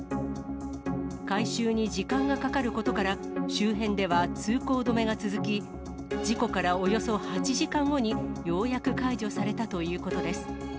回収に時間がかかることから、周辺では通行止めが続き、事故からおよそ８時間後に、ようやく解除されたということです。